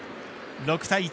６対１。